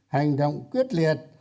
hành động quyết liệt